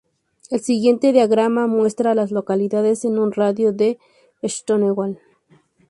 El siguiente diagrama muestra a las localidades en un radio de de Stonewall.